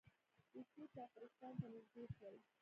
روسیې کافرستان ته نږدې شول.